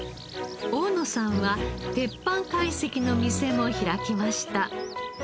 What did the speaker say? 大野さんは鉄板懐石の店も開きました。